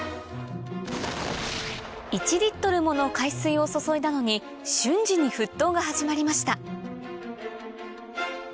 １もの海水を注いだのに瞬時に沸騰が始まりました